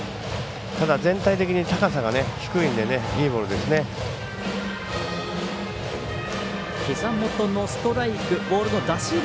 ただ、全体的に高さが低いのでいいボールですね。